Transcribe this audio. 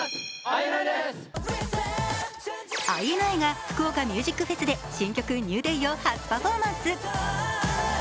ＩＮＩがＦＵＫＵＯＫＡＭＵＳＩＣＦＥＳで、新曲「ＮｅｗＤａｙ」を初パフォーマンス。